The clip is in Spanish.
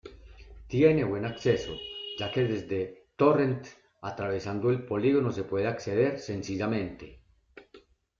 Tiene buen acceso, ya que desde Torrent, atravesando el polígono se puede acceder sencillamente.